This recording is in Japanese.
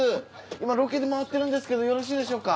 今ロケで回ってるんですけどよろしいでしょうか？